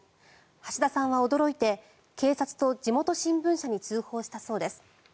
橋田さんは驚いて警察と地元新聞社に通報したそうです。